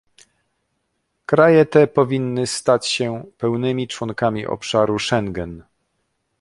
Kraje te powinny stać się pełnymi członkami obszaru Schengen